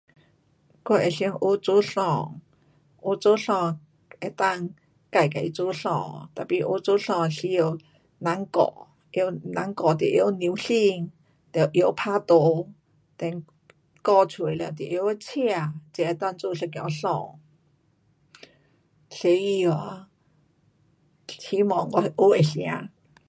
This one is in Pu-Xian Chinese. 我会想学做衣。学做衣可以自己做衣。tapi 学做衣需要人教。得人教得会晓量身。得会晓打图 then 剪出了得懂得车才能够做一件衣。所以啊，希望我还能成。